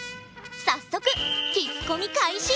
早速聞き込み開始！